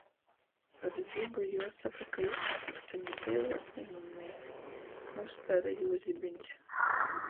Par Zigu juosoka, ka jis naprota ni dzeivuot, ni nūmiert. Nūspēre jū zibiņs.